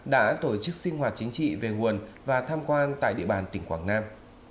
đã tổ chức sinh hoạt chính trị về nguồn và tham quan tại địa bàn tỉnh quảng nam